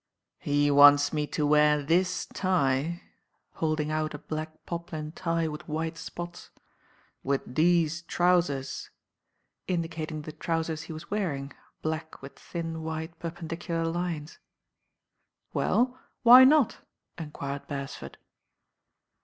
"He wants me to wear this tie," holding out a black poplin tie with white spots, "with these trousers," indicating the trousers he was wearing, black with thin white perpendicular lines. "Well, why not?" enquired Beresford.